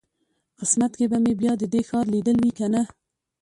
قسمت کې به مې بیا د دې ښار لیدل وي کنه.